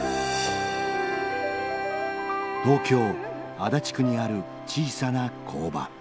東京・足立区にある小さな工場。